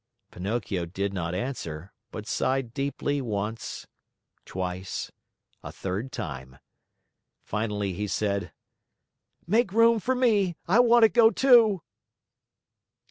Pinocchio did not answer, but sighed deeply once twice a third time. Finally, he said: "Make room for me. I want to go, too!"